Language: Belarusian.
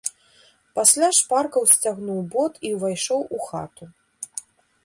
Пасля шпарка ўсцягнуў бот і ўвайшоў у хату.